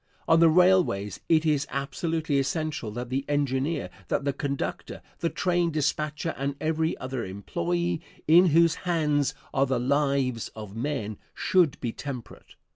On the railways it is absolutely essential that the engineer, that the conductor, the train dispatcher and every other employee, in whose hands are the lives of men, should be temperate.